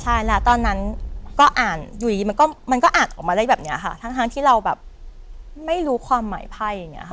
ใช่แล้วตอนนั้นก็อ่านอยู่ดีมันก็มันก็อ่านออกมาได้แบบนี้ค่ะทั้งที่เราแบบไม่รู้ความหมายไพ่อย่างนี้ค่ะ